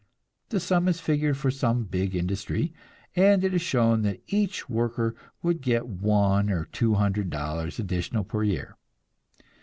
The sum is figured for some big industry, and it is shown that each worker would get one or two hundred dollars additional per year.